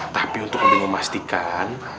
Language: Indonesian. tapi untuk memastikan